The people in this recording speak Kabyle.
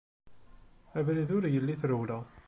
Abrid ur yelli i trewla.